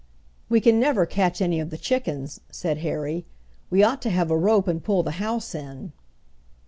"We can never catch any of the chickens," said Harry. "We ought to have a rope and pull the house in."